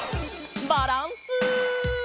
バランス。